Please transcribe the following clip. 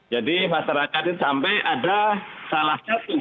jadi masyarakat ini sampai ada salah satu